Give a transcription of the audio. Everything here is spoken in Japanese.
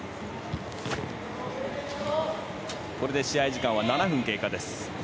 これで試合時間は７分経過です。